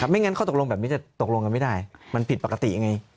ไม่งั้นข้อตกลงแบบนี้จะตกลงกันไม่ได้มันผิดปกติไง